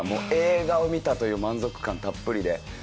映画を見たという満足感たっぷりで。